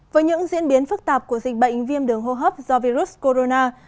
với những diễn biến phức tạp của dịch bệnh viêm đường hô hấp do virus corona